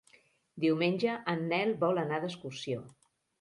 Diumenge en Nel vol anar d'excursió.